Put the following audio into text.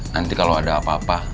nanti kalau ada apa apa